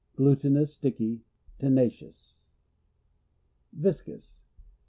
Glutinous; sticky; tcna Viscous.